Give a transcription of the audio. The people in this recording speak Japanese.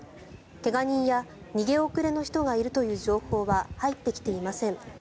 怪我人や逃げ遅れの人がいるという情報は入ってきていません。